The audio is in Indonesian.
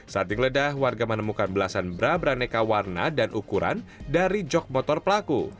saat dikeledah warga menemukan belasan berabra neka warna dan ukuran dari jog motor pelaku